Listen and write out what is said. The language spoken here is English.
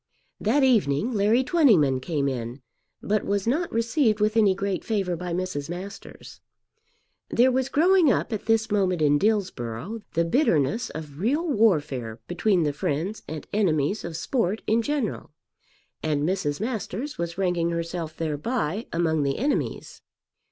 That evening Larry Twentyman came in, but was not received with any great favour by Mrs. Masters. There was growing up at this moment in Dillsborough the bitterness of real warfare between the friends and enemies of sport in general, and Mrs. Masters was ranking herself thereby among the enemies.